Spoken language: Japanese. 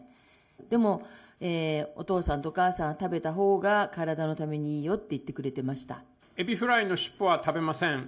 でも、お父さんとお母さんは食べたほうが体のためにいいよって言ってくエビフライの尻尾は食べません。